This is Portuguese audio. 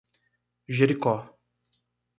Jericó